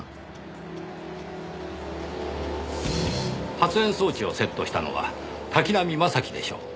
発煙装置をセットしたのは滝浪正輝でしょう。